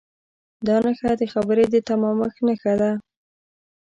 دا نښه د خبرې د تمامښت نښه ده.